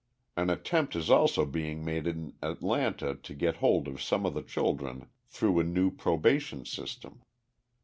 An attempt is also being made in Atlanta to get hold of some of the children through a new probation system.